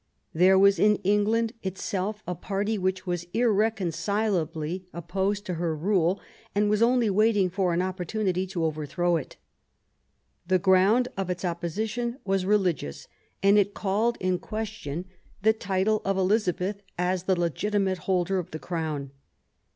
There was in England itself a party which was irreconcilably opposed to her rule, and was only waiting for an opportunity to overthrow it. The ground of its opposition was religious, and it called in question the title of Elizabeth as the legitimate holder of the Crown.